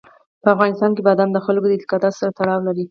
په افغانستان کې بادام د خلکو د اعتقاداتو سره تړاو لري.